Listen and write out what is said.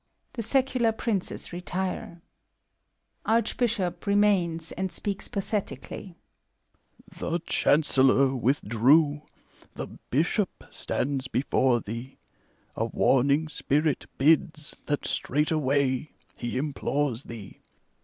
{The Secular Princes retire,) ARCHBISHOP {remains and speaks pathetically). The Chancellor withdrew, the Bishop stands before thee: A warning spirit bids that straightway he implores thee!